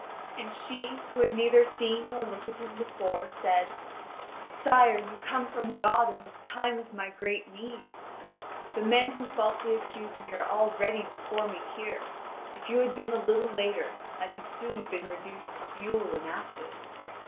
And she, who had neither seen nor looked at him before, said: "Sire, you come from God in this time of my great need! The men who falsely accuse me are all ready before me here; if you had been a little later I should soon have been reduced to fuel and ashes.